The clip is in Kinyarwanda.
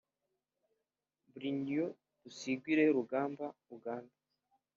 Brunio Tusingwire Rugamba (Uganda)